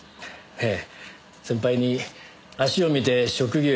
ええ。